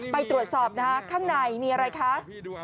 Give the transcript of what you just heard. ไปตรวจสอบนะคะข้างในมีอะไรคะ